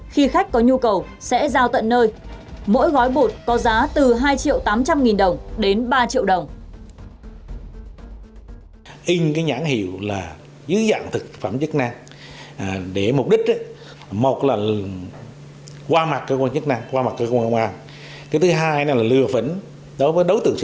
khi khách có nhu cầu sẽ giao tận nơi mỗi gói bột có giá từ hai triệu tám trăm linh nghìn đồng đến ba triệu đồng